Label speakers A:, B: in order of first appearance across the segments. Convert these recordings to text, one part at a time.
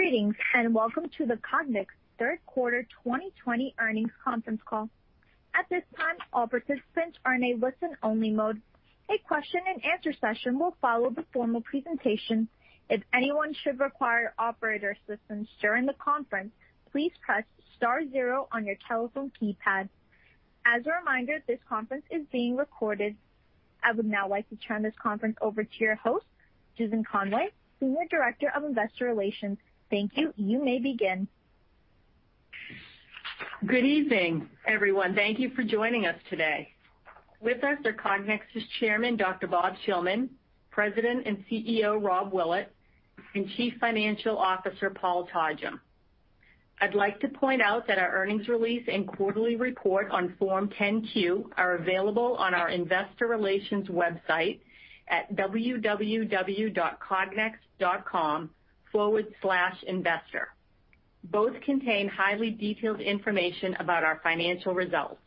A: Greetings, and welcome to the Cognex Third Quarter 2020 Earnings Conference Call. At this time, all participants are in a listen-only mode. A question and answer session will follow the formal presentation. If anyone should require Operator's assistance during the conference, please press star zero on your telephone keypad. As a reminder, this conference is being recorded. I would now like to turn this conference over to your host, Susan Conway, Senior Director of Investor Relations. Thank you. You may begin.
B: Good evening, everyone. Thank you for joining us today. With us are Cognex's Chairman, Dr. Bob Shillman, President and CEO, Rob Willett, and Chief Financial Officer, Paul Todgham. I'd like to point out that our earnings release and quarterly report on Form 10-Q are available on our investor relations website at www.cognex.com/investor. Both contain highly detailed information about our financial results.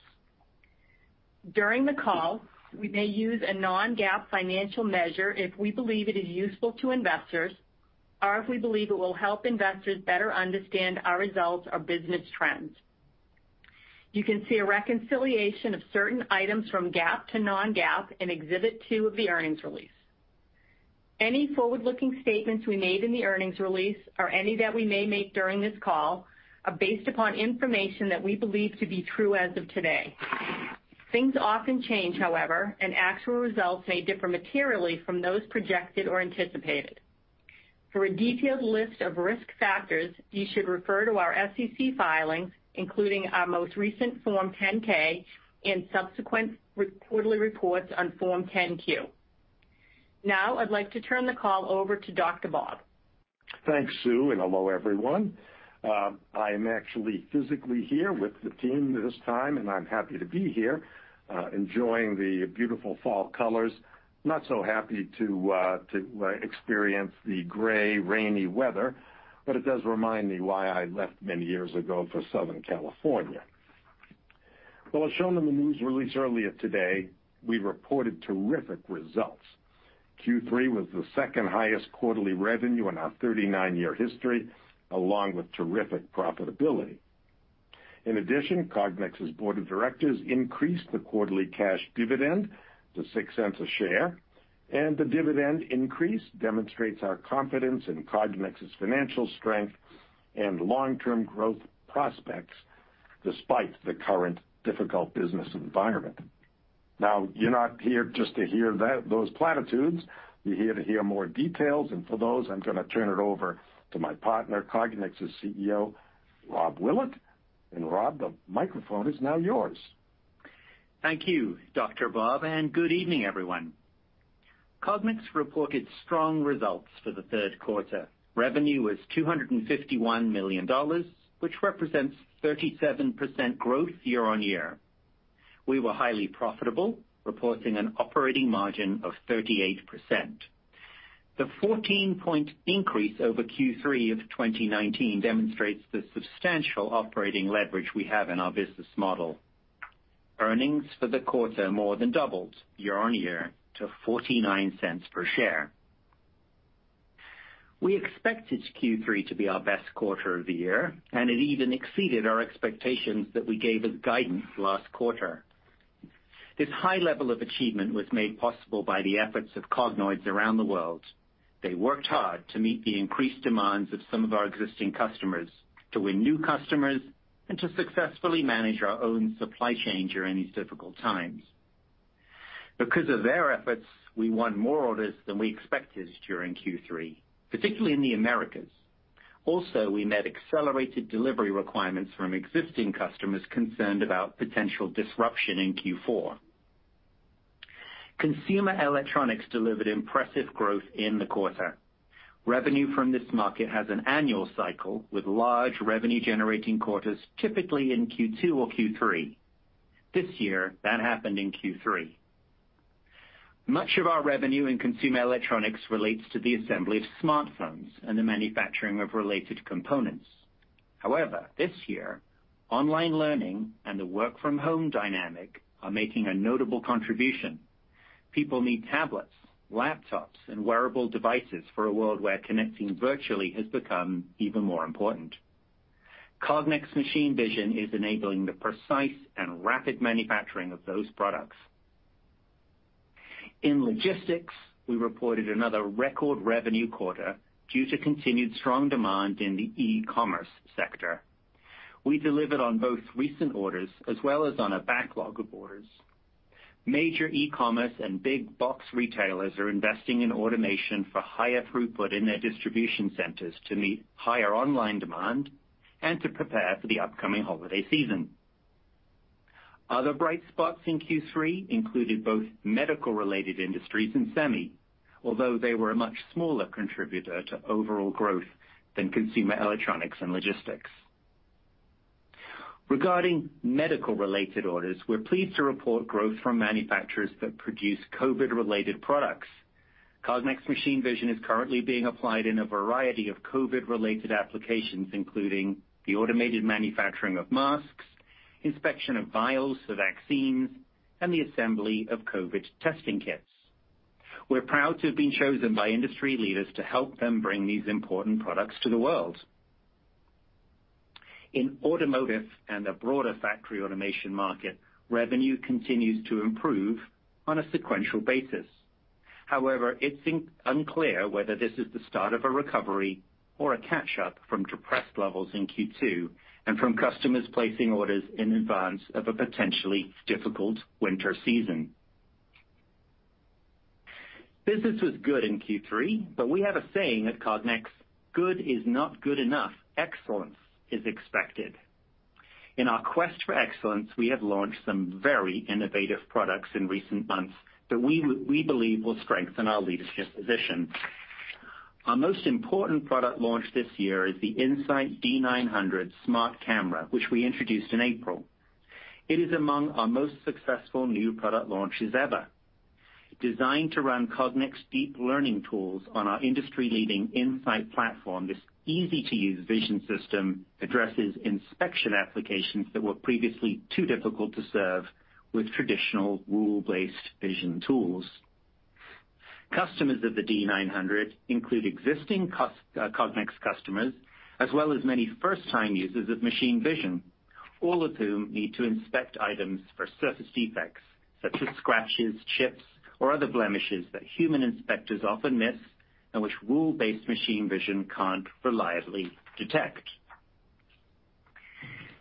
B: During the call, we may use a non-GAAP financial measure if we believe it is useful to investors or if we believe it will help investors better understand our results or business trends. You can see a reconciliation of certain items from GAAP to non-GAAP in Exhibit 2 of the earnings release. Any forward-looking statements we made in the earnings release or any that we may make during this call are based upon information that we believe to be true as of today. Things often change, however, and actual results may differ materially from those projected or anticipated. For a detailed list of risk factors, you should refer to our SEC filings, including our most recent Form 10-K and subsequent quarterly reports on Form 10-Q. Now I'd like to turn the call over to Dr. Bob.
C: Thanks, Sue, and hello, everyone. I am actually physically here with the team this time, and I'm happy to be here, enjoying the beautiful fall colors. Not so happy to experience the gray, rainy weather. It does remind me why I left many years ago for Southern California. As shown in the news release earlier today, we reported terrific results. Q3 was the second highest quarterly revenue in our 39-year history, along with terrific profitability. In addition, Cognex's Board of Directors increased the quarterly cash dividend to $0.06 a share, and the dividend increase demonstrates our confidence in Cognex's financial strength and long-term growth prospects despite the current difficult business environment. Now, you're not here just to hear those platitudes. You're here to hear more details, and for those, I'm going to turn it over to my partner, Cognex's CEO, Rob Willett. And Rob, the microphone is now yours.
D: Thank you, Dr. Bob, and good evening, everyone. Cognex reported strong results for the third quarter. Revenue was $251 million, which represents 37% growth year-over-year. We were highly profitable, reporting an operating margin of 38%. The 14-point increase over Q3 of 2019 demonstrates the substantial operating leverage we have in our business model. Earnings for the quarter more than doubled year-over-year to $0.49 per share. We expected Q3 to be our best quarter of the year, and it even exceeded our expectations that we gave as guidance last quarter. This high level of achievement was made possible by the efforts of Cognoids around the world. They worked hard to meet the increased demands of some of our existing customers, to win new customers, and to successfully manage our own supply chain during these difficult times. Because of their efforts, we won more orders than we expected during Q3, particularly in the Americas. Also, we met accelerated delivery requirements from existing customers concerned about potential disruption in Q4. Consumer electronics delivered impressive growth in the quarter. Revenue from this market has an annual cycle with large revenue-generating quarters, typically in Q2 or Q3. This year, that happened in Q3. Much of our revenue in consumer electronics relates to the assembly of smartphones and the manufacturing of related components. However, this year, online learning and the work-from-home dynamic are making a notable contribution. People need tablets, laptops, and wearable devices for a world where connecting virtually has become even more important. Cognex machine vision is enabling the precise and rapid manufacturing of those products. In logistics, we reported another record revenue quarter due to continued strong demand in the e-commerce sector. We delivered on both recent orders as well as on a backlog of orders. Major e-commerce and big box retailers are investing in automation for higher throughput in their distribution centers to meet higher online demand and to prepare for the upcoming holiday season. Other bright spots in Q3 included both medical-related industries and semi, although they were a much smaller contributor to overall growth than consumer electronics and logistics. Regarding medical-related orders, we're pleased to report growth from manufacturers that produce COVID-related products. Cognex machine vision is currently being applied in a variety of COVID-related applications, including the automated manufacturing of masks, inspection of vials for vaccines, and the assembly of COVID testing kits. We're proud to have been chosen by industry leaders to help them bring these important products to the world. In automotive and the broader factory automation market, revenue continues to improve on a sequential basis. However, it's unclear whether this is the start of a recovery or a catch-up from depressed levels in Q2, and from customers placing orders in advance of a potentially difficult winter season. Business was good in Q3, but we have a saying at Cognex, "Good is not good enough. Excellence is expected." In our quest for excellence, we have launched some very innovative products in recent months that we believe will strengthen our leadership position. Our most important product launch this year is the In-Sight D900 smart camera, which we introduced in April. It is among our most successful new product launches ever. Designed to run Cognex deep learning tools on our industry-leading In-Sight platform, this easy-to-use vision system addresses inspection applications that were previously too difficult to serve with traditional rule-based vision tools. Customers of the D900 include existing Cognex customers, as well as many first-time users of machine vision, all of whom need to inspect items for surface defects, such as scratches, chips, or other blemishes that human inspectors often miss and which rule-based machine vision can't reliably detect.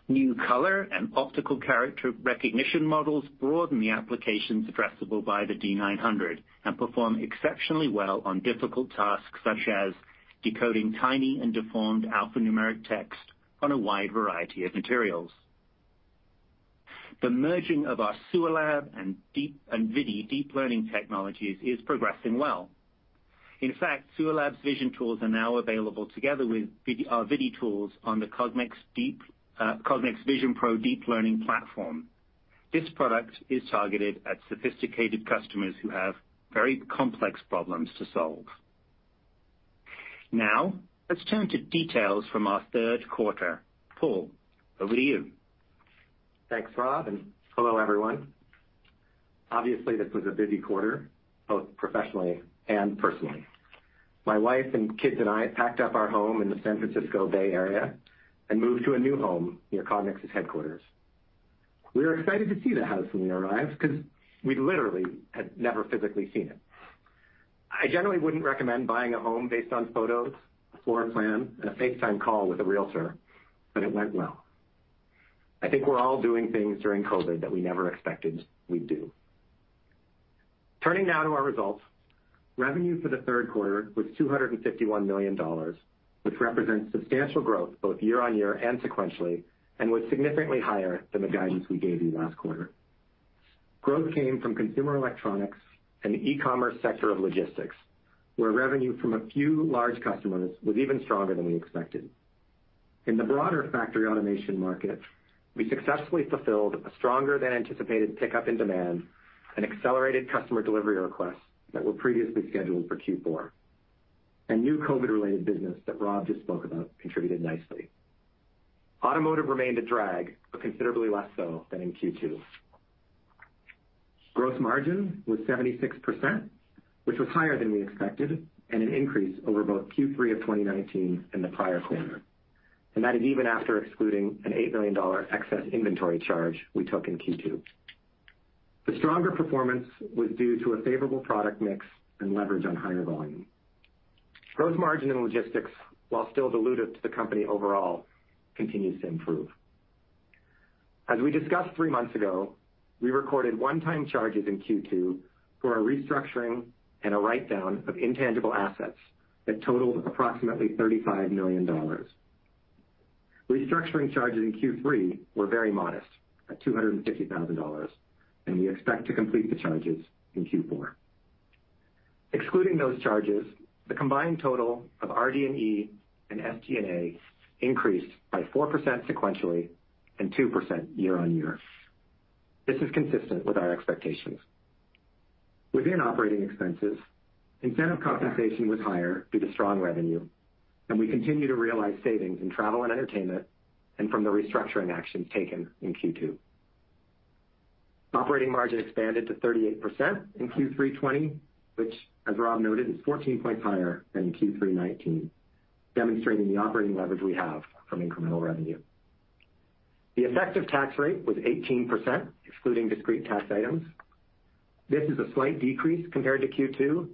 D: New color and optical character recognition models broaden the applications addressable by the D900 and perform exceptionally well on difficult tasks such as decoding tiny and deformed alphanumeric text on a wide variety of materials. The merging of our SUALAB and ViDi deep learning technologies is progressing well. In fact, SUALAB's vision tools are now available together with our ViDi tools on the Cognex Deep— Cognex VisionPro Deep Learning platform. This product is targeted at sophisticated customers who have very complex problems to solve. Now, Let's turn to details from our third quarter. Paul, over to you.
E: Thanks, Rob, and hello, everyone. Obviously, this was a busy quarter, both professionally and personally. My wife and kids and I packed up our home in the San Francisco Bay Area and moved to a new home near Cognex's headquarters. We were excited to see the house when we arrived because we literally had never physically seen it. I generally wouldn't recommend buying a home based on photos, a floor plan, and a FaceTime call with a realtor, but it went well. I think we're all doing things during COVID that we never expected we'd do. Turning now to our results. Revenue for the third quarter was $251 million, which represents substantial growth both year-on-year and sequentially, and was significantly higher than the guidance we gave you last quarter. Growth came from consumer electronics and the e-commerce sector of logistics, where revenue from a few large customers was even stronger than we expected. New COVID-related business that Rob just spoke about contributed nicely. Automotive remained a drag, but considerably less so than in Q2. Gross margin was 76%, which was higher than we expected and an increase over both Q3 of 2019 and the prior quarter. That is even after excluding an $8 million excess inventory charge we took in Q2. The stronger performance was due to a favorable product mix and leverage on higher volume. Gross margin in logistics, while still dilutive to the company overall, continues to improve. As we discussed three months ago, we recorded one-time charges in Q2 for a restructuring and a write-down of intangible assets that totaled approximately $35 million. Restructuring charges in Q3 were very modest, at $250,000, and we expect to complete the charges in Q4. Excluding those charges, the combined total of RD&E and SG&A increased by 4% sequentially and 2% year-on-year. This is consistent with our expectations. Within operating expenses, incentive compensation was higher due to strong revenue, and we continue to realize savings in travel and entertainment and from the restructuring actions taken in Q2. Operating margin expanded to 38% in Q3 2020, which, as Rob noted, is 14 points higher than in Q3 2019, demonstrating the operating leverage we have from incremental revenue. The effective tax rate was 18%, excluding discrete tax items. This is a slight decrease compared to Q2,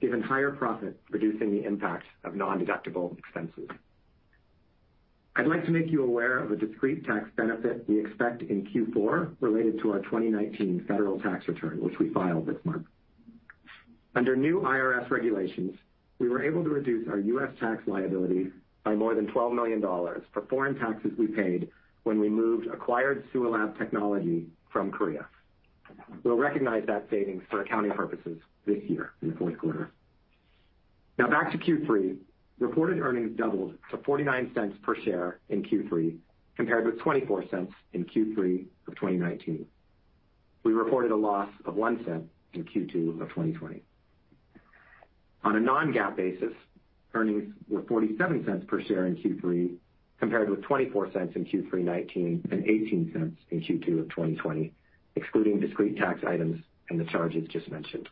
E: given higher profit reducing the impact of nondeductible expenses. I'd like to make you aware of a discrete tax benefit we expect in Q4 related to our 2019 federal tax return, which we filed this month. Under new IRS regulations, we were able to reduce our U.S. tax liability by more than $12 million for foreign taxes we paid when we moved acquired SUALAB technology from Korea. We'll recognize that savings for accounting purposes this year in the fourth quarter. Back to Q3. Reported earnings doubled to $0.49 per share in Q3 compared with $0.24 in Q3 of 2019. We reported a loss of $0.01 in Q2 2020. On a non-GAAP basis, earnings were $0.47 per share in Q3, compared with $0.24 in Q3 2019, and 0.18 in Q2 2020, excluding discrete tax items and the charges just mentioned.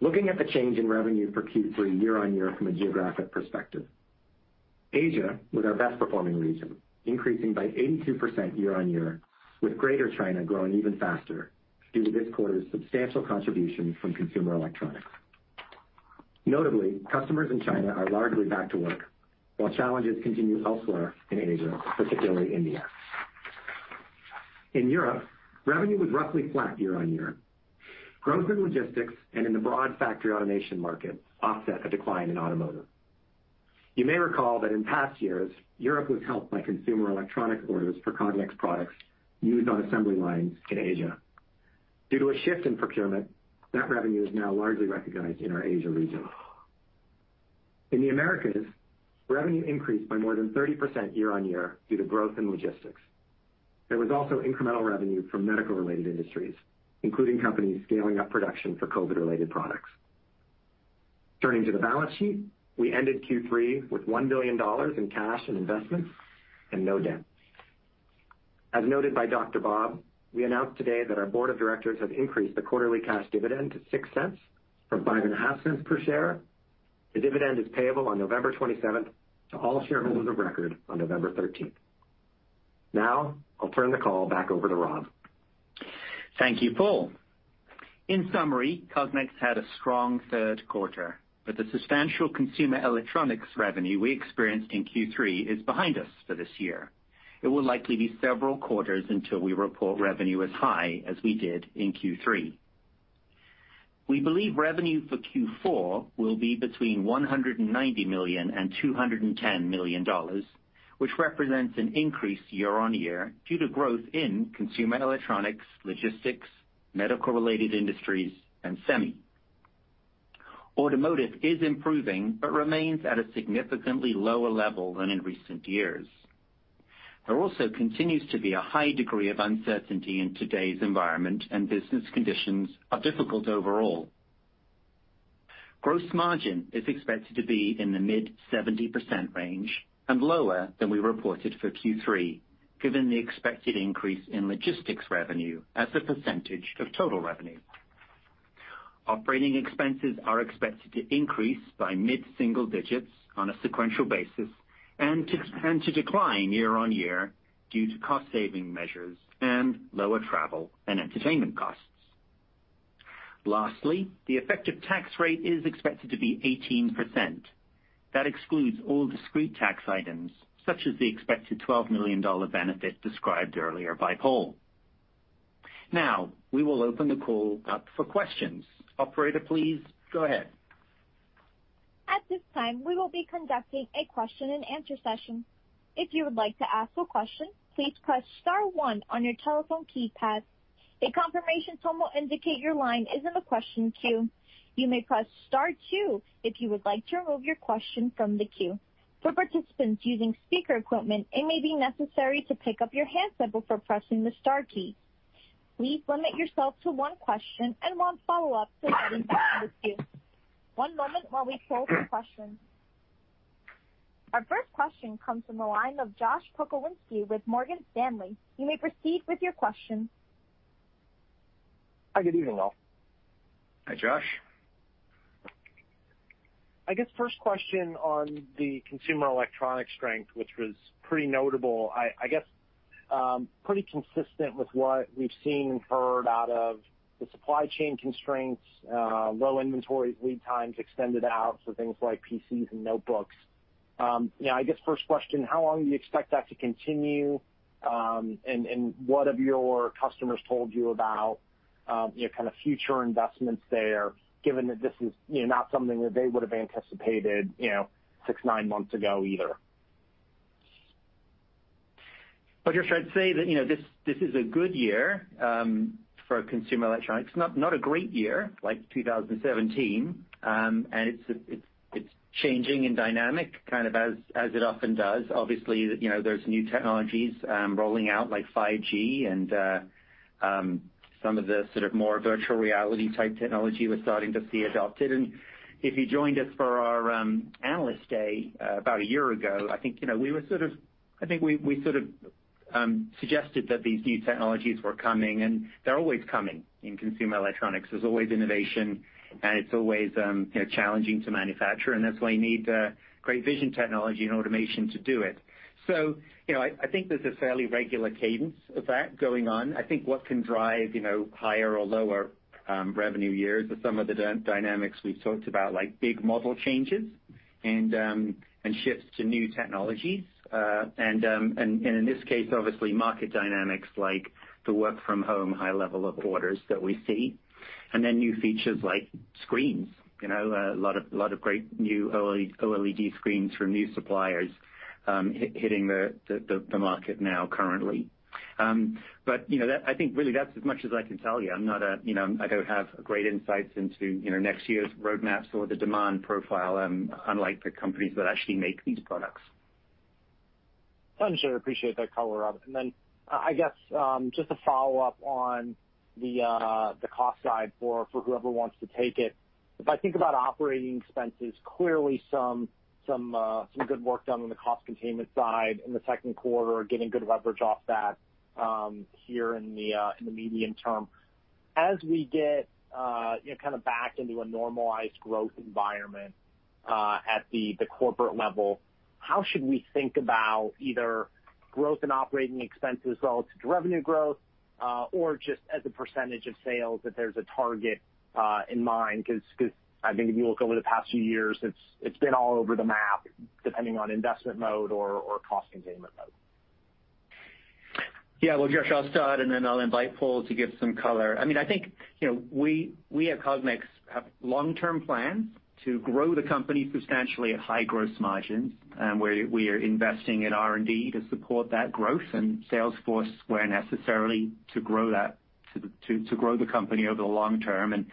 E: Looking at the change in revenue for Q3 year-on-year from a geographic perspective. Asia was our best performing region, increasing by 82% year-on-year, with Greater China growing even faster due to this quarter's substantial contribution from consumer electronics. Notably, customers in China are largely back to work while challenges continue elsewhere in Asia, particularly India. In Europe, revenue was roughly flat year-on-year. Growth in logistics and in the broad factory automation market offset a decline in automotive. You may recall that in past years, Europe was helped by consumer electronic orders for Cognex products used on assembly lines in Asia. Due to a shift in procurement, that revenue is now largely recognized in our Asia region. In the Americas, revenue increased by more than 30% year-over-year due to growth in logistics. There was also incremental revenue from medical-related industries, including companies scaling up production for COVID-related products. Turning to the balance sheet, we ended Q3 with $1 billion in cash and investments and no debt. As noted by Dr. Bob, we announced today that our Board of Directors have increased the quarterly cash dividend to $0.06 from 0.05 per share. The dividend is payable on November 27th to all shareholders of record on November 13th. I'll turn the call back over to Rob.
D: Thank you, Paul. In summary, Cognex had a strong third quarter, but the substantial consumer electronics revenue we experienced in Q3 is behind us for this year. It will likely be several quarters until we report revenue as high as we did in Q3. We believe revenue for Q4 will be between $190 million and 210 million, which represents an increase year-on-year due to growth in consumer electronics, logistics, medical-related industries, and semi. Automotive is improving, but remains at a significantly lower level than in recent years. There also continues to be a high degree of uncertainty in today's environment, and business conditions are difficult overall. Gross margin is expected to be in the mid-70% range and lower than we reported for Q3, given the expected increase in logistics revenue as a percentage of total revenue. Operating expenses are expected to increase by mid-single digits on a sequential basis and to decline year-on-year due to cost-saving measures and lower travel and entertainment costs. Lastly, the effective tax rate is expected to be 18%. That excludes all discrete tax items, such as the expected $12 million benefit described earlier by Paul. Now, we will open the call up for questions. Operator, please go ahead.
A: Our first question comes from the line of Josh Pokrzywinski with Morgan Stanley. You may proceed with your question.
F: Hi, good evening, all.
D: Hi, Josh.
F: I guess first question on the consumer electronics strength, which was pretty notable. I guess, pretty consistent with what we've seen and heard out of the supply chain constraints, low inventory lead times extended out, so things like PCs and notebooks. I guess first question, how long do you expect that to continue? What have your customers told you about future investments there, given that this is not something that they would have anticipated, you know, six, nine months ago either?
D: Well, Josh, I'd say that this is a good year for consumer electronics. Not a great year like 2017. And it's changing and dynamic, kind of as it often does. Obviously, there's new technologies rolling out like 5G and some of the sort of more virtual reality type technology we're starting to see adopted. If you joined us for our Analyst Day about a year ago, I think we sort of.. I think we sort of Suggested that these new technologies were coming, and they're always coming in consumer electronics. There's always innovation, and it's always challenging to manufacture, and that's why you need great vision technology and automation to do it. I think there's a fairly regular cadence of that going on. I think what can drive higher or lower revenue years are some of the dynamics we've talked about, like big model changes and shifts to new technologies. In this case, obviously, market dynamics like the work from home high level of orders that we see, and then new features like screens, you know, a lot of great new OLED screens from new suppliers hitting the market now currently. But you know, I think really that's as much as I can tell you. I don't have great insights into next year's roadmaps or the demand profile, unlike the companies that actually make these products.
F: Sure, appreciate that color, Rob. I guess, just a follow-up on the cost side for whoever wants to take it. If I think about operating expenses, clearly some good work done on the cost containment side in the second quarter, getting good leverage off that here in the medium term. As we get back into a normalized growth environment at the corporate level, how should we think about either growth and operating expenses relative to revenue growth, or just as a percentage of sales, if there's a target in mind? Because I think if you look over the past few years, it's been all over the map, depending on investment mode or cost containment mode?
D: Well, Josh, I'll start, and then I'll invite Paul to give some color. I think, we at Cognex have long-term plans to grow the company substantially at high gross margins, where we are investing in R&D to support that growth and sales force where necessary to grow the company over the long term, and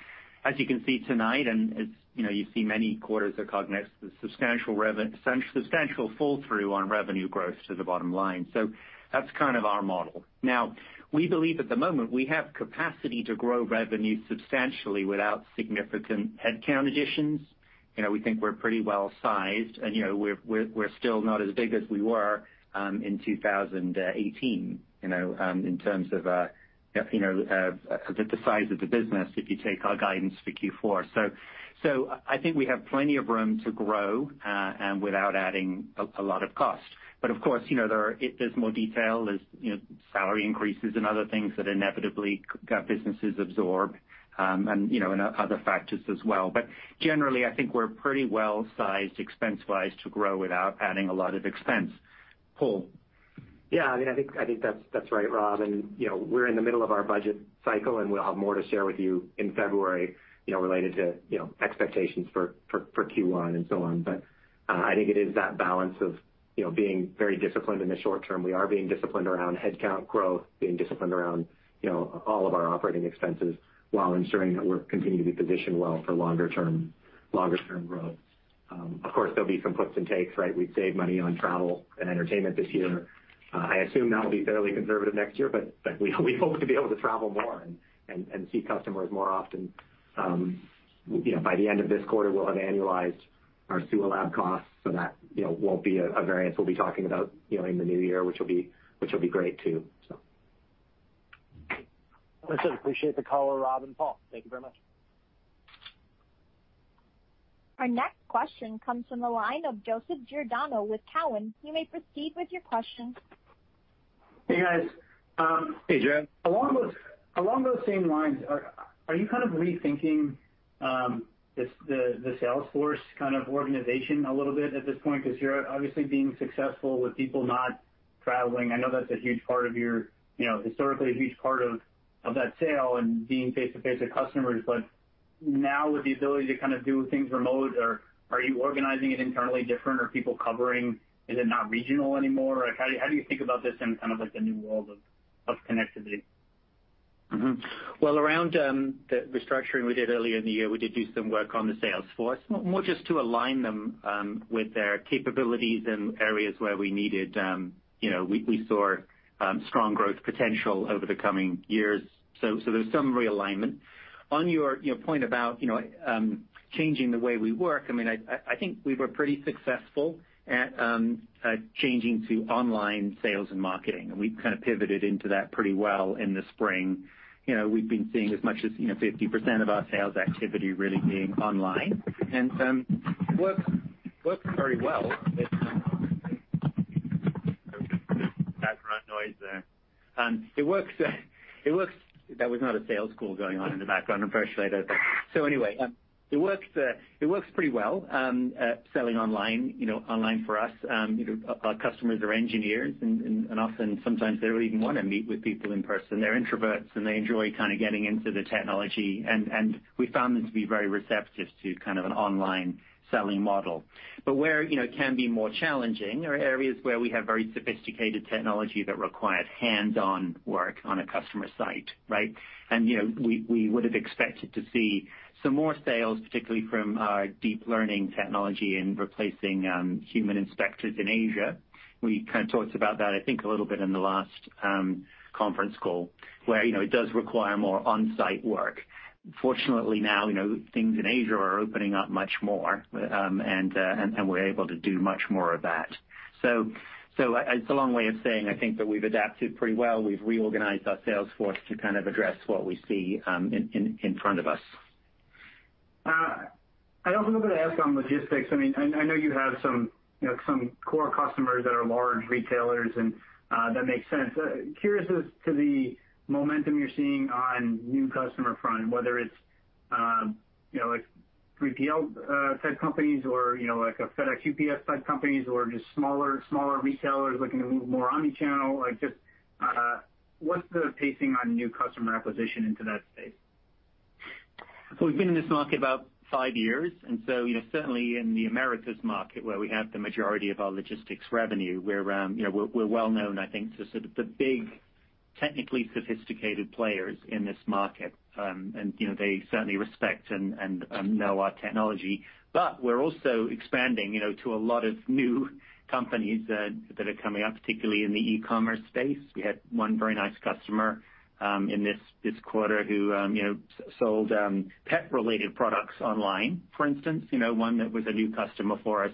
D: as you can see tonight, and as you see many quarters at Cognex, the substantial fall-through on revenue growth to the bottom line. So, that's kind of our model. Now, we believe at the moment, we have capacity to grow revenue substantially without significant headcount additions. And we think we're pretty well sized, and we're still not as big as we were in 2018 in terms of the size of the business, if you take our guidance for Q4. So, so I think we have plenty of room to grow and without adding a lot of cost. But of course, there's more detail. There's salary increases and other things that inevitably businesses absorb, and other factors as well. Generally, I think we're pretty well sized expense-wise to grow without adding a lot of expense. Paul?
E: Yeah, I think that's right, Rob, and we're in the middle of our budget cycle, and we'll have more to share with you in February, related to expectations for Q1 and so on. I think it is that balance of being very disciplined in the short term. We are being disciplined around headcount growth, being disciplined around all of our operating expenses while ensuring that we're continuing to be positioned well for longer term growth. Of course, there'll be some puts and takes, right? We've saved money on travel and entertainment this year. I assume that'll be fairly conservative next year, but we hope to be able to travel more and see customers more often. By the end of this quarter, we'll have annualized our SUALAB costs, so that won't be a variance we'll be talking about in the new year, which will be great, too.
F: Listen, appreciate the color, Rob and Paul. Thank you very much.
A: Our next question comes from the line of Joseph Giordano with Cowen. You may proceed with your question.
G: Hey, guys.
D: Hey, Joe.
G: Along those same lines, are you kind of rethinking the sales force kind of organization a little bit at this point? Because you're obviously being successful with people not traveling. I know that's historically a huge part of that sale and being face-to-face with customers. But.. Now with the ability to kind of do things remote, are you organizing it internally different? Are people covering? Is it not regional anymore? Like, how do you think about this in kind of like the new world of connectivity?
D: Well around the restructuring we did earlier in the year, we did do some work on the sales force, more just to align them with their capabilities in areas where we saw strong growth potential over the coming years. There was some realignment. On your point about changing the way we work, I think we were pretty successful at changing to online sales and marketing, and we've kind of pivoted into that pretty well in the spring. We've been seeing as much as 50% of our sales activity really being online. And, works very well. Background noise there. That was not a sales call going on in the background. So anyway, it works pretty well, selling online, you know, online for us. Our customers are engineers, and often, sometimes they don't even want to meet with people in person. They're introverts, and they enjoy kind of getting into the technology, and we've found them to be very receptive to kind of an online selling model. Where it can be more challenging are areas where we have very sophisticated technology that required hands-on work on a customer site, right? And we would have expected to see some more sales, particularly from our deep learning technology in replacing human inspectors in Asia. We kind of talked about that, I think, a little bit in the last conference call. Where it does require more on-site work. Fortunately, now, things in Asia are opening up much more, and we're able to do much more of that. It's a long way of saying, I think that we've adapted pretty well. We've reorganized our sales force to kind of address what we see in front of us.
G: I also wanted to ask on logistics. I mean, I know you have some core customers that are large retailers, and that makes sense. Curious as to the momentum you're seeing on new customer front, whether it's, you know, like 3PL type companies or, you know, like a FedEx, UPS type companies, or just smaller retailers looking to move more omnichannel. Like, just.. What's the pacing on new customer acquisition into that space?
D: We've been in this market about five years, and so certainly in the Americas market, where we have the majority of our logistics revenue, we're well known, I think, to sort of the big technically sophisticated players in this market, and they certainly respect and know our technology. But we're also expanding to a lot of new companies that are coming up, particularly in the e-commerce space. We had one very nice customer in this quarter who sold pet-related products online, for instance, one that was a new customer for us.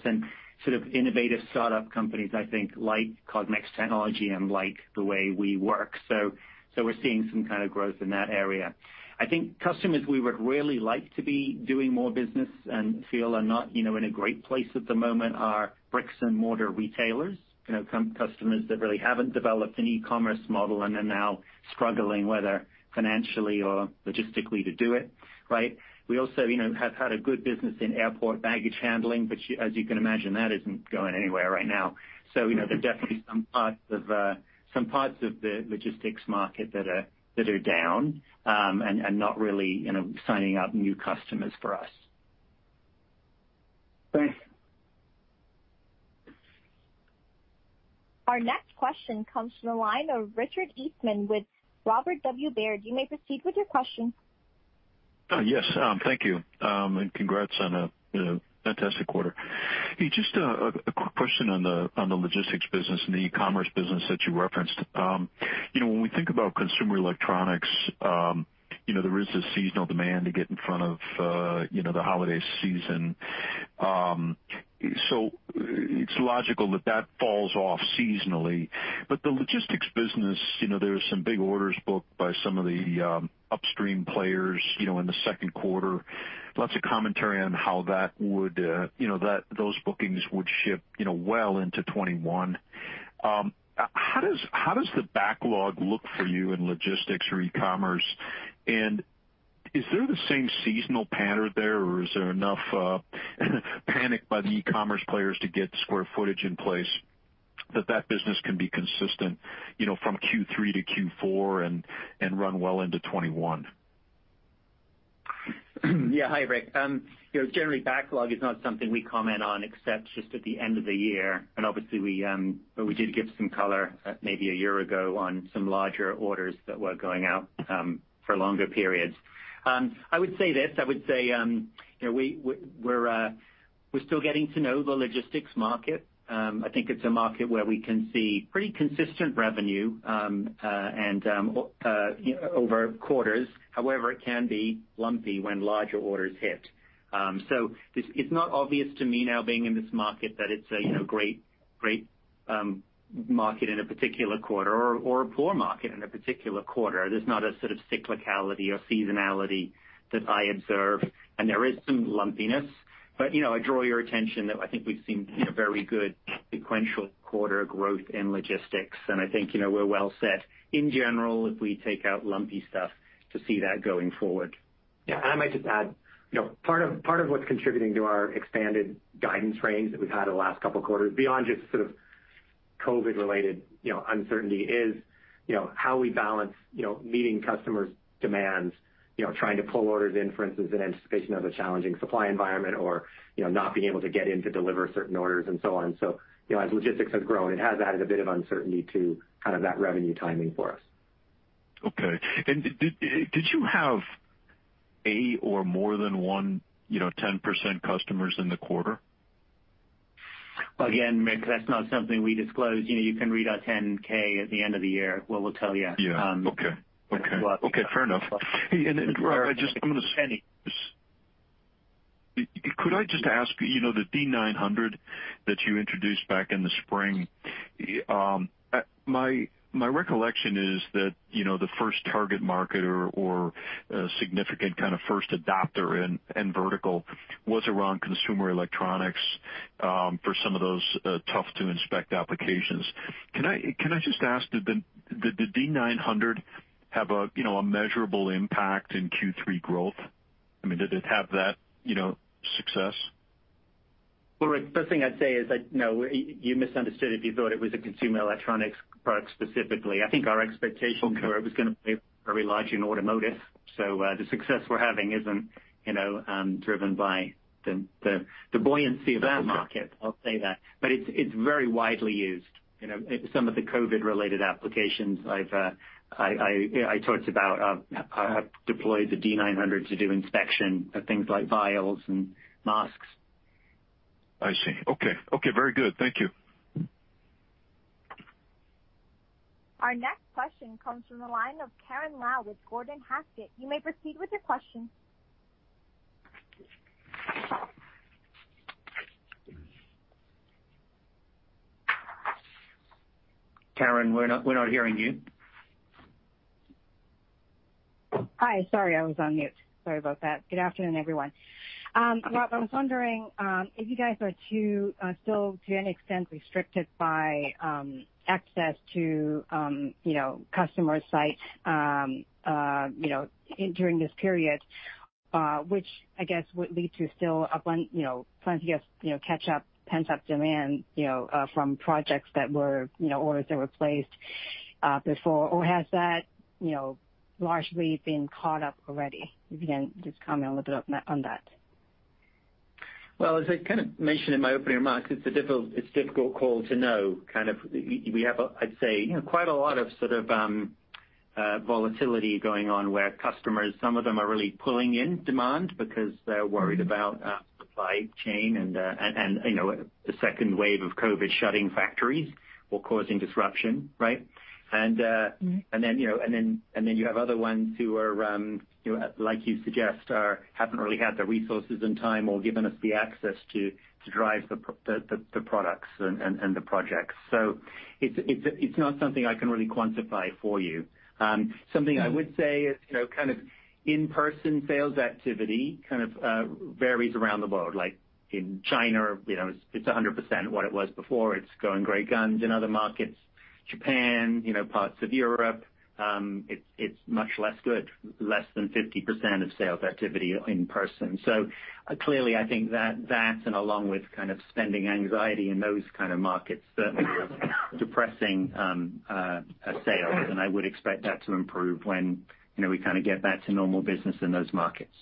D: Innovative startup companies, I think, like Cognex technology and like the way we work. So, we're seeing some kind of growth in that area. I think customers we would really like to be doing more business and feel are not in a great place at the moment are bricks and mortar retailers, customers that really haven't developed an e-commerce model and are now struggling, whether financially or logistically, to do it, right? We also have had a good business in airport baggage handling, but as you can imagine, that isn't going anywhere right now. There are definitely some parts of a— some parts of the logistics market that are down, and not really, you know, signing up new customers for us.
G: Thanks.
A: Our next question comes from the line of Richard Eastman with Robert W. Baird. You may proceed with your question.
H: Yes. Thank you. Congrats on a fantastic quarter. Just a quick question on the logistics business and the e-commerce business that you referenced. When we think about consumer electronics, there is this seasonal demand to get in front of the holiday season. It's logical that that falls off seasonally. The logistics business, there are some big orders booked by some of the upstream players in the second quarter. Lots of commentary on how those bookings would ship well into 2021. How does— how does the backlog look for you in logistics or e-commerce? Is there the same seasonal pattern there, or is there enough panic by the e-commerce players to get the square footage in place that that business can be consistent from Q3 to Q4 and run well into 2021?
D: Yeah. Hi, Rick. You know, generally, backlog is not something we comment on except just at the end of the year. And obviously, we did give some color maybe a year ago on some larger orders that were going out for longer periods. I would say this, I would say, We're still getting to know the logistics market. I think it's a market where we can see pretty consistent revenue over quarters. However, it can be lumpy when larger orders hit. It's not obvious to me now being in this market that it's a great, great market in a particular quarter or a poor market in a particular quarter. There's not a sort of cyclicality or seasonality that I observe, and there is some lumpiness. I draw your attention that I think we've seen very good sequential quarter growth in logistics, and I think we're well set in general if we take out lumpy stuff to see that going forward.
E: Yeah. I might just add, you know, part of what's contributing to our expanded guidance range that we've had the last couple of quarters, beyond just sort of COVID-related, you know, uncertainty, is, you know, how we balance, you know, meeting customers' demands, you know, trying to pull orders in, for instance, in anticipation of a challenging supply environment or not being able to get in to deliver certain orders and so on. As logistics has grown, it has added a bit of uncertainty to kind of that revenue timing for us.
H: Okay. Did you have a, or more than one 10% customers in the quarter?
D: Again, Rick, that's not something we disclose. You can read our Form 10-K at the end of the year, where we'll tell you.
H: Yeah. Okay, okay, okay. Fair enough. Hey, and then, could I just ask, could i just ask, you know, the D900 that you introduced back in the spring, my recollection is that, you know, the first target market or significant kind of first adopter and vertical was around consumer electronics for some of those tough-to-inspect applications. Can I.. Can I just ask, did the D900 have a, you know, a measurable impact in Q3 growth? I mean, did it have that, you know, success?
D: Well, Rick, the first thing I'd say is that you misunderstood if you thought it was a consumer electronics product specifically. I think our expectations.
H: Okay.
D: Were it was going to play very large in automotive. So the success we're having isn't, you know, driven by the buoyancy of that market.
H: Okay.
D: I'll say that. But it's very widely used, you know? Some of the COVID-related applications I talked about have deployed the D900 to do inspection of things like vials and masks.
H: I see. Okay, okay. Very good. Thank you.
A: Our next question comes from the line of Karen Lau with Gordon Haskett. You may proceed with your question.
D: Karen, we're not.. We're not hearing you.
I: Hi. Sorry, I was on mute, sorry about that. Good afternoon, everyone. Rob, I was wondering if you guys are still, to any extent, restricted by access to, you know, customer sites, you know, in— during this period, which I guess would lead to still plenty, you know, plenty of, you know, catch-up, pent-up demand, you know, from projects that were, you know, orders that were placed before, or has that, you know, largely been caught up already? If you can just comment a little bit on that.
D: As I kind of mentioned in my opening remarks, it's a difficult call to know. We have, I'd say, quite a lot of sort of volatility going on where customers, some of them are really pulling in demand because they're worried about supply chain and the Second wave of COVID shutting factories or causing disruption, right? And the.. And then, you know, and then.. And then you have other ones who are, you know, like you suggest, haven't really had the resources and time or given us the access to drive the products and the projects. So, it's.. It's.. It's not something I can really quantify for you. Something I would say is, you know, kinda in-person sales activity, kind of varies around the world like in China, you know, it's 100% what it was before. It's going great guns in other markets, Japan, you know, parts of Europe. It's much less good, less than 50% of sales activity in person. So, clearly, I think that, and along with kind of spending anxiety in those kind of markets, certainly are depressing sales. And I would expect that to improve when we kind of get back to normal business in those markets.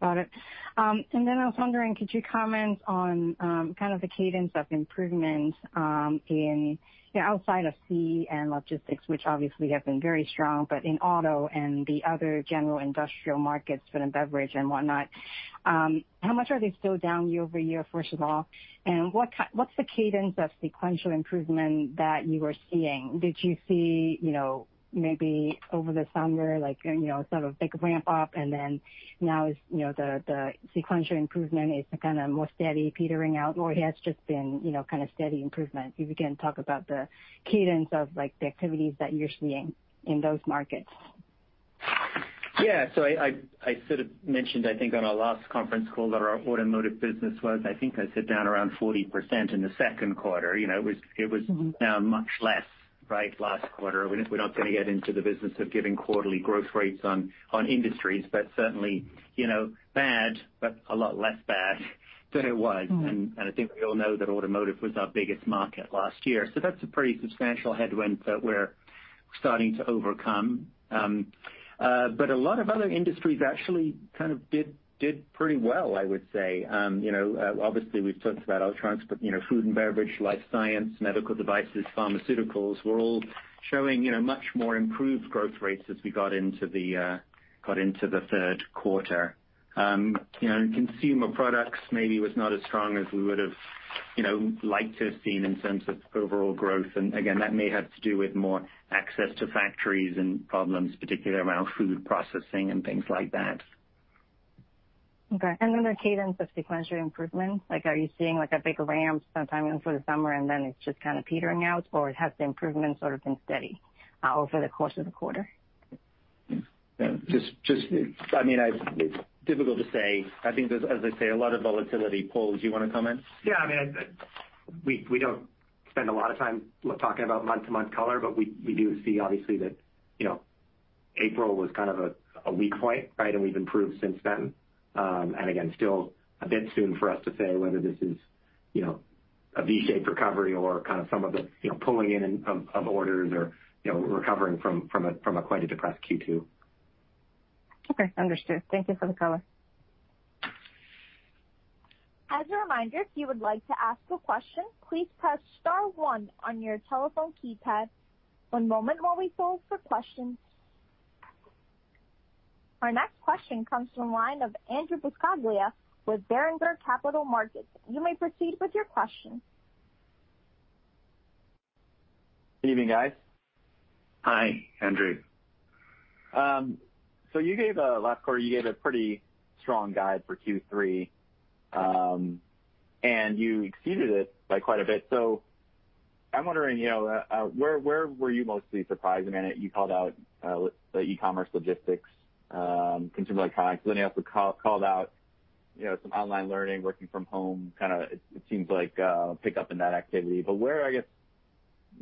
I: Got it. And I was wondering, could you comment on kind of the cadence of improvement in the outside of fee and logistics, which obviously have been very strong, but in auto and the other general industrial markets, food and beverage and whatnot. How much are they still down year-over-year, first of all, and what's the cadence of sequential improvement that you are seeing? Did you see, you know, maybe over the summer, sort of big ramp-up and then, now is, you know, the, the sequential improvement is kind of more steady, petering out? Or has just been kind of steady improvement? If you can talk about the cadence of the activities that you're seeing in those markets?
D: Yeah, so, I, I'd.. I sort of mentioned, I think on our last conference call that our automotive business was, I think I said down around 40% in the second quarter. It was down much less, right, last quarter. We're not going to get into the business of giving quarterly growth rates on industries, but certainly, bad, but a lot less bad than it was. I think we all know that automotive was our biggest market last year. That's a pretty substantial headwind that we're starting to overcome. But a lot of other industries actually kind of did pretty well, I would say. Obviously, we've talked about electronics, but food and beverage, life science, medical devices, pharmaceuticals, were all showing much more improved growth rates as we got into the third quarter. You know, consumer products maybe was not as strong as we would've, you know, liked to have seen in terms of overall growth. And again, that may have to do with more access to factories and problems, particularly around food processing and things like that.
I: Okay. The cadence of sequential improvement, are you seeing a big ramp sometime for the summer and then it's just kind of petering out, or has the improvement sort of been steady over the course of the quarter?
D: Just, it's difficult to say. I think there's, as I say, a lot of volatility. Paul, do you want to comment?
E: Yeah. We don't spend a lot of time talking about month-to-month color, but we do see obviously that, you know, April was kind of a weak point, right? We've improved since then. Again, still a bit soon for us to say whether this is, you know, a V-shaped recovery or kind of some of the pulling in of orders or, you know, recovering from a quite a depressed Q2.
I: Okay. Understood. Thank you for the color.
A: As a reminder, if you would like to ask a question, please press star one on your telephone keypad. One moment while we poll for questions. Our next question comes from the line of Andrew Buscaglia with Berenberg Capital Markets. You may proceed with your question.
J: Evening, guys.
D: Hi, Andrew.
J: Last quarter, you gave a pretty strong guide for Q3, and you exceeded it by quite a bit. So, I'm wondering, where were you mostly surprised? I mean, you called out the e-commerce logistics, consumer electronics. You also called out some online learning, working from home, kind of it seems like a pickup in that activity. Where are you,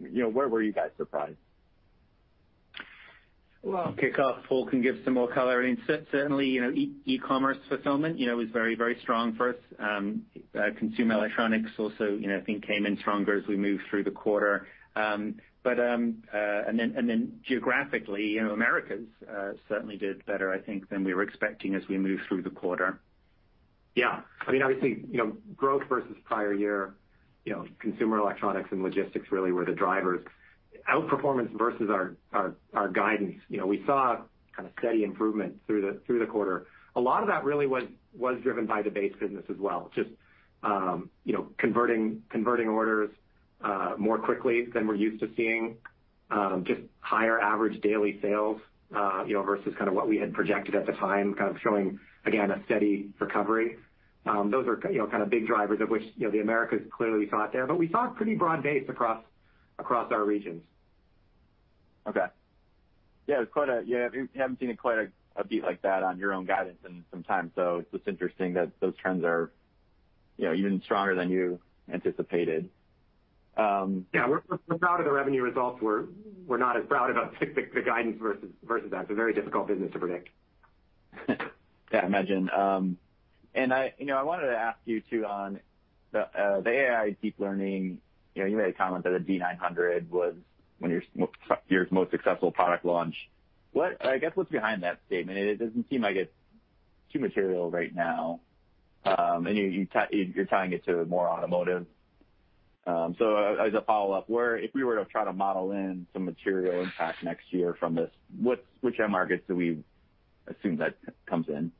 J: you know, where were guys surprised?
D: Well, I'll kick off. Paul can give some more color. and certainly, e-commerce fulfillment, you know, was very, very strong for us. Consumer electronics also, you know, I think came in stronger as we moved through the quarter. But, and then.. And then, geographically, Americas certainly did better, I think, than we were expecting as we moved through the quarter.
E: Yeah. I mean, obviously, growth versus prior year, you know, consumer electronics and logistics really were the drivers. Outperformance versus our guidance. You know, we saw a kind of steady improvement through the quarter. A lot of that really was driven by the base business as well, just, you know, converting orders more quickly than we're used to seeing. Just higher average daily sales, you know, versus kind of what we had projected at the time, kind of showing, again, a steady recovery. Those are kind of big drivers of which the Americas clearly saw it there. We saw pretty broad base across our regions.
J: Okay. Yeah. You haven't seen quite a beat like that on your own guidance in some time, so it's just interesting that those trends are even stronger than you anticipated.
E: Yeah. We're proud of the revenue results. We're not as proud about the guidance versus that. It's a very difficult business to predict.
J: Yeah, I imagine. And I, you know, wanted to ask you, too, on the AI deep learning. You made a comment that a D900 was one of your most successful product launch. I guess what's behind that statement, and it doesn't seem like it's too material right now, and you're tying it to more automotive. As a follow-up, where if we were to try to model in some material impact next year from this, which end markets do we assume that comes in?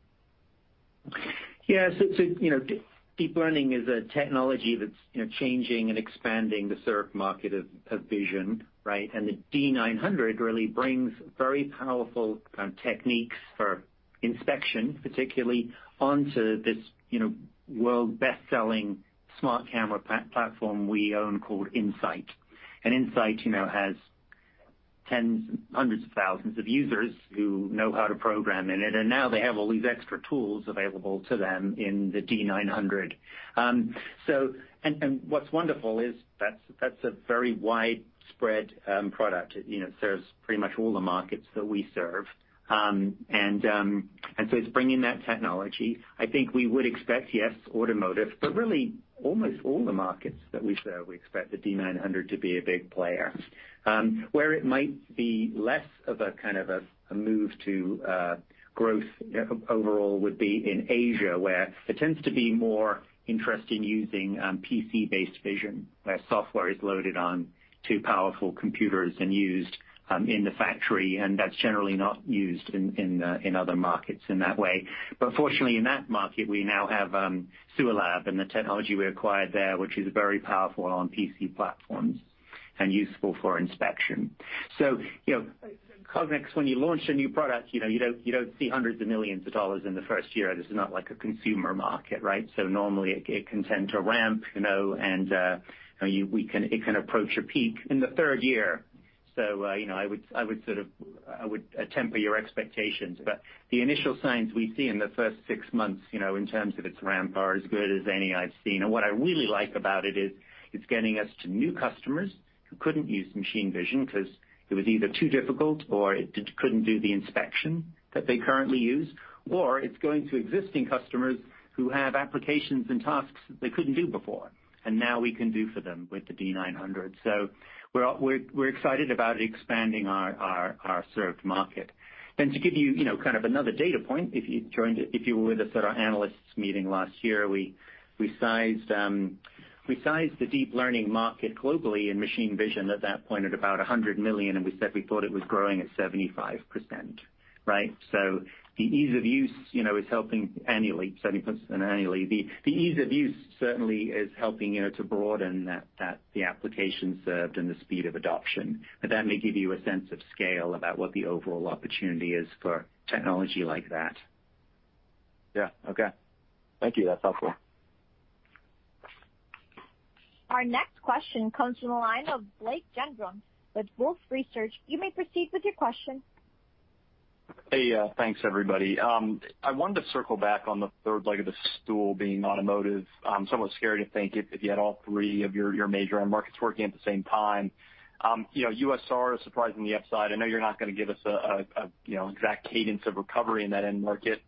D: Deep learning is a technology that's changing and expanding the served market of vision, right? The D900 really brings very powerful kind of techniques for inspection, particularly, onto this world best-selling smart camera platform we own called In-Sight. In-Sight has hundreds of thousands of users who know how to program in it. Now they have all these extra tools available to them in the D900. And so, what's wonderful is that, that's a very widespread product, you know. It serves pretty much all the markets that we serve. And it's bringing that technology. I think we would expect, yes, automotive, but really almost all the markets that we serve, we expect the D900 to be a big player. Where it might be less of a kind of a move to growth overall would be in Asia, where there tends to be more interest in using PC-based vision, where software is loaded on two powerful computers and used in the factory, and that's generally not used in other markets in that way. Fortunately, in that market, we now have SUALAB and the technology we acquired there, which is very powerful on PC platforms and useful for inspection. So, you know, Cognex, when you launch a new product, you don't.. You don't see hundreds of million of dollars in the first year. This is not like a consumer market, right? Normally it can tend to ramp, and it can approach a peak in the third year. So I would temper your expectations. The initial signs we see in the first six months, in terms of its ramp, are as good as any I've seen. What I really like about it is it's getting us to new customers who couldn't use machine vision because it was either too difficult or it couldn't do the inspection that they currently use, or it's going to existing customers who have applications and tasks that they couldn't do before, and now we can do for them with the D900. We're excited about expanding our served market. To give you kind of another data point, if you joined, if you were with us at our analysts meeting last year, we sized the deep learning market globally in machine vision at that point at about $100 million, and we said we thought it was growing at 75%. Right? So the ease of use is helping annually, 70% annually. The ease of use certainly is helping to broaden the applications served and the speed of adoption. And then that may give you a sense of scale about what the overall opportunity is for technology like that.
J: Yeah. Okay. Thank you. That's helpful.
A: Our next question comes from the line of Blake Gendron with Wolfe Research. You may proceed with your question.
K: Hey, thanks everybody. I wanted to circle back on the third leg of the stool being automotive. It's somewhat scary to think if you had all three of your major end markets working at the same time. You know, USR is surprisingly upside. I know you're not going to give us an, you know, exact cadence of recovery in that end market.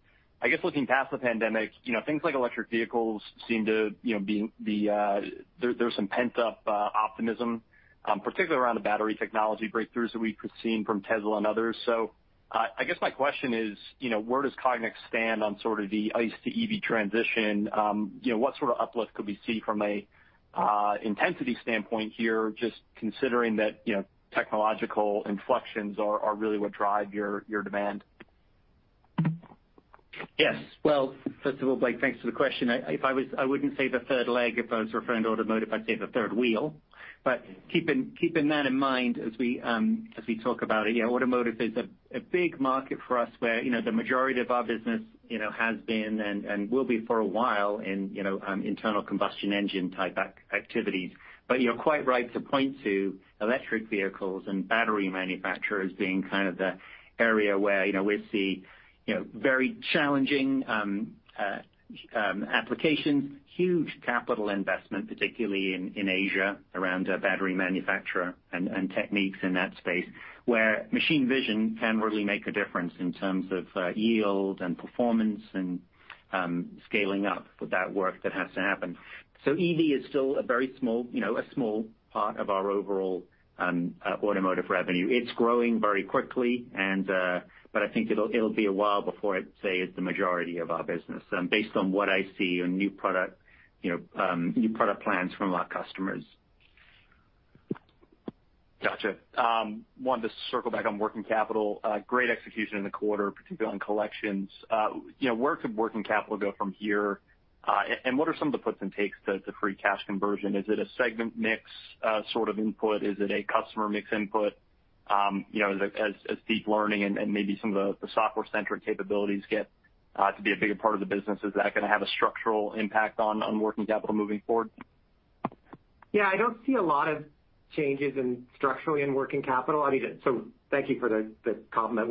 K: I guess looking past the pandemic, things like electric vehicles seem to be there's some pent-up optimism, particularly around the battery technology breakthroughs that we've seen from Tesla and others. I guess my question is, you know, where does Cognex stand on sort of the ICE to EV transition? You know, what sort of uplift could we see from an intensity standpoint here, just considering that technological inflections are really what drive your demand?
D: Yes. Well, first of all, Blake Gendron, thanks for the question. I wouldn't say the third leg if I was referring to automotive, I'd say the third wheel. Keeping that in mind as we talk about it, automotive is a big market for us where the majority of our business, you know, has been and will be for a while in internal combustion engine type activities. You're quite right to point to electric vehicles and battery manufacturers being kind of the area where we see very challenging applications, huge capital investment, particularly in Asia, around battery manufacturer and techniques in that space, where machine vision can really make a difference in terms of yield and performance and scaling up that work that has to happen. EV is still a very small part of our overall automotive revenue. It's growing very quickly, but I think it'll be a while before I'd say it's the majority of our business based on what I see in new product plans from our customers.
K: Gotcha. Wanted to circle back on working capital. Great execution in the quarter, particularly on collections. Where could working capital go from here? What are some of the puts and takes to free cash conversion? Is it a segment mix sort of input? Is it a customer mix input? As deep learning and maybe some of the software centric capabilities get to be a bigger part of the business, is that going to have a structural impact on working capital moving forward?
E: Yeah, I don't see a lot of changes structurally in working capital. Thank you for that— the compliment.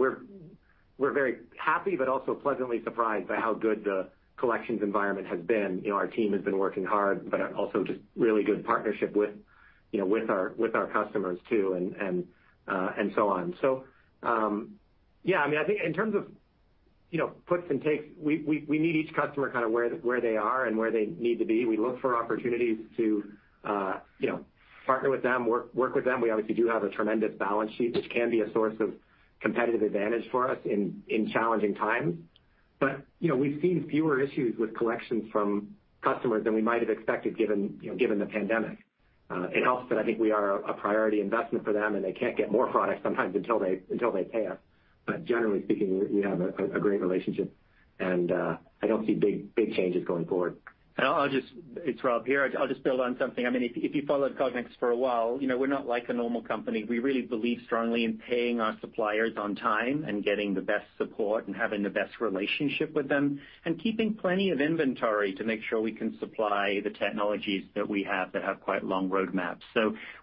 E: We're very happy, but also pleasantly surprised by how good the collections environment has been, you know. Our team has been working hard, but also just really good partnership with, you know, our customers too, and so on. Yeah, I think in terms of, you know, puts and takes. We meet each customer kind of where they are and where they need to be. We look for opportunities to, you know, partner with them, work with them. We obviously do have a tremendous balance sheet, which can be a source of competitive advantage for us in challenging times. But, you know, we've seen fewer issues with collections from customers than we might have expected given the pandemic. It helps that I think we are a priority investment for them, and they can't get more product sometimes until they pay us. Generally speaking, we have a great relationship, and I don't see big changes going forward.
D: It's Rob here, I'll just build on something. If you followed Cognex for a while, we're not like a normal company. We really believe strongly in paying our suppliers on time and getting the best support and having the best relationship with them, and keeping plenty of inventory to make sure we can supply the technologies that we have that have quite long roadmaps.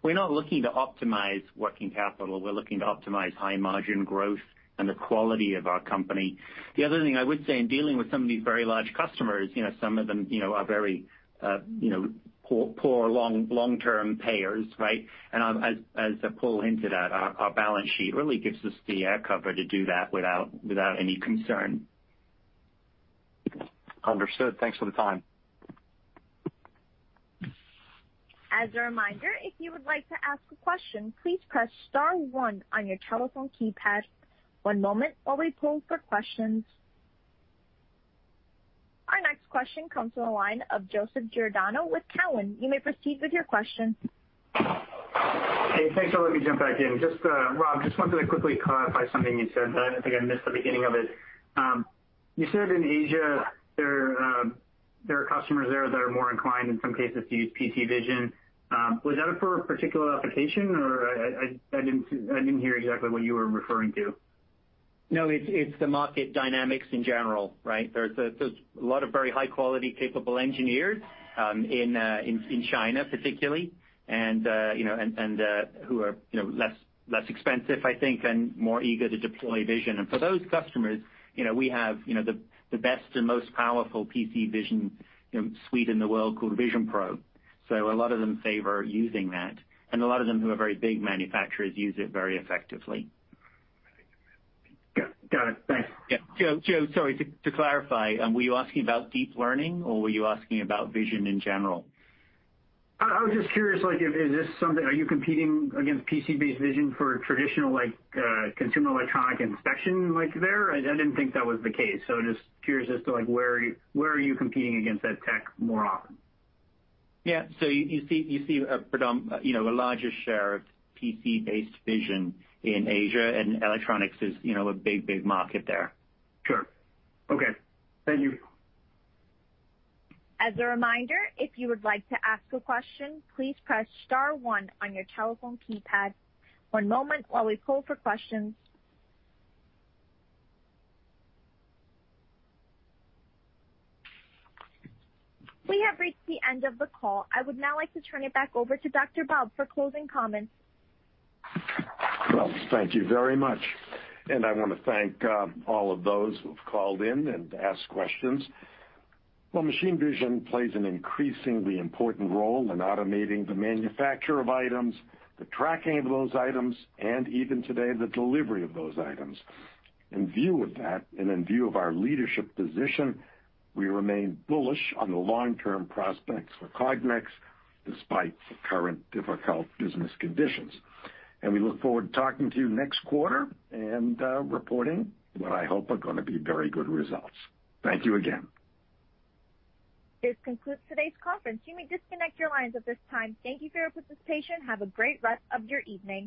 D: We're not looking to optimize working capital. We're looking to optimize high margin growth and the quality of our company. The other thing I would say in dealing with some of these very large customers, some of them are very poor long-term payers, right? As Paul hinted at, our balance sheet really gives us the air cover to do that without any concern.
K: Understood. Thanks for the time.
A: As a reminder, if you would like to ask a question, please press star one on your telephone keypad. One moment while we pull for questions. Our next question comes from the line of Joseph Giordano with Cowen. You may proceed with your question.
G: Hey, thanks. Let me jump back in. Rob, just wanted to quickly clarify something you said, but I think I missed the beginning of it. You said in Asia, there are customers there that are more inclined, in some cases, to use PC vision. Was that for a particular application, or I didn't hear exactly what you were referring to?
D: No, it's the market dynamics in general, right? There's a lot of very high quality, capable engineers, in China particularly, and who are less expensive, I think, and more eager to deploy vision. For those customers, you know, we have the best and most powerful PC vision suite in the world called VisionPro. A lot of them favor using that, and a lot of them who are very big manufacturers use it very effectively.
G: Got it. Thanks.
D: Yeah. Joe, sorry to clarify, were you asking about deep learning or were you asking about vision in general?
G: I was just curious, are you competing against PC-based vision for traditional consumer electronic inspection there? I didn't think that was the case. Just curious as to where are you competing against that tech more often?
D: Yeah. You see a larger share of PC-based vision in Asia, and electronics is a big market there.
G: Sure. Okay. Thank you.
A: As a reminder, if you would like to ask a question, please press star one on your telephone keypad. One moment while we pull for questions. We have reached the end of the call. I would now like to turn it back over to Dr. Bob for closing comments.
C: Well, thank you very much. I want to thank all of those who've called in and asked questions. Well, machine vision plays an increasingly important role in automating the manufacture of items, the tracking of those items, and even today, the delivery of those items. In view of that, and in view of our leadership position, we remain bullish on the long-term prospects for Cognex despite the current difficult business conditions. We look forward to talking to you next quarter and reporting what I hope are going to be very good results. Thank you again.
A: This concludes today's conference. You may disconnect your lines at this time. Thank you for your participation. Have a great rest of your evening.